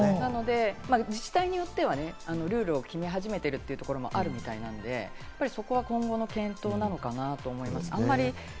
自治体によってはルールを決め始めているということもあるみたいなんで、そこは今後の検討なのかなと思います。